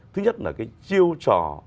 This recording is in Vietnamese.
thứ nhất là cái chiêu trò